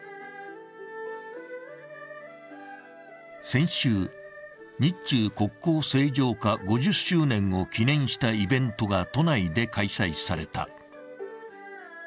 先週、日中国交正常化５０周年を記念したイベントが都内で開催された。